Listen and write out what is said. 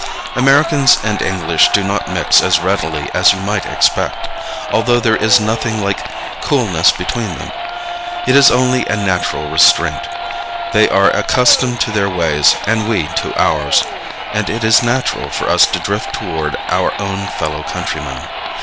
Americans and English do not mix as readily as you might expect, although there is nothing like coolness between them. It is only a natural restraint. They are accustomed to their ways, and we to ours, and it is natural for us to drift toward our own fellow countrymen.